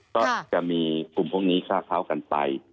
ก็จะมีกลุ่มพวกนี้ฆ่าเขากันไป